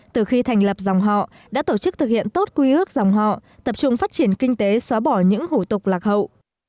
từ khi thành lập dòng họ đã tổ chức thực hiện tốt quy ước dòng họ tập trung phát triển kinh tế xóa bỏ những hủ tục lạc hậu